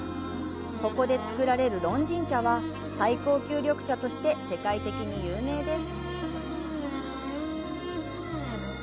ここで作られる「龍井茶」は、最高級緑茶として世界的に有名です。